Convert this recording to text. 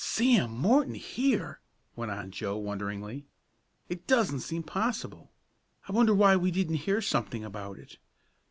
"Sam Morton here!" went on Joe, wonderingly. "It doesn't seem possible. I wonder why we didn't hear something about it?